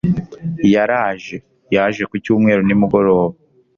yaraje ,yaje kucyumweru nimugoroba